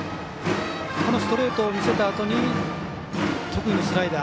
このストレートを見せたあとに得意のスライダー